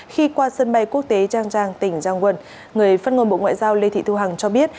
khi qua sân bay quốc tế trang giang tỉnh giang quân người phát ngôn bộ ngoại giao lê thị thu hằng cho biết